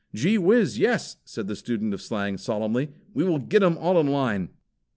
"Gee whiz, yes," said the student of slang, solemnly, "we will get 'em all in line."